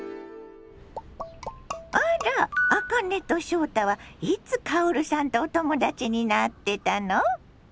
あらあかねと翔太はいつ薫さんとお友達になってたの？